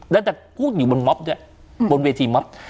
ได้แต่พูดอยู่บนม็อบด้วยบนเวทีม็อบ